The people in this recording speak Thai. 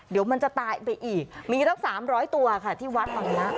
เดี๋ยวมันจะตายไปอีกมีตั้ง๓๐๐ตัวค่ะที่วัดฝั่งนี้